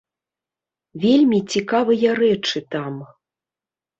Вельмі цікавыя рэчы там.